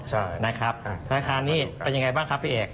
ใช่นะครับธนาคารนี้เป็นยังไงบ้างครับพี่เอก